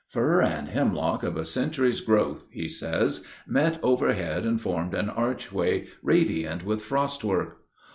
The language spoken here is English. "Fir and hemlock of a century's growth," he says, "met overhead and formed an archway, radiant with frostwork.